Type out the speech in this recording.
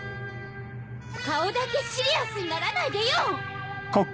顔だけシリアスにならないでよ！